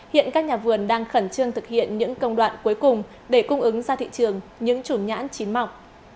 hiện các nhà vườn đang khẩn trương thực hiện những công đoạn cuối cùng để cung ứng ra thị trường những chùm nhãn chín mọc